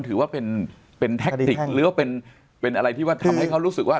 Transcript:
หรือว่าเป็นอะไรที่ทำให้เขารู้สึกว่า